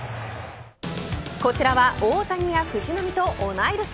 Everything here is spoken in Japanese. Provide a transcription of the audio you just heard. こちらは大谷や藤浪と同い年。